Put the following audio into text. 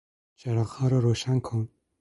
چراغها را روشن کن!